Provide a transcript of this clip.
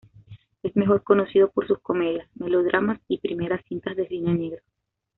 Es mejor conocido por sus comedias, melodramas y primeras cintas de cine negro.